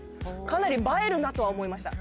かなり映えるなとは思いました。